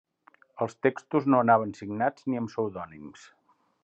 Els textos no anaven signats ni amb pseudònims.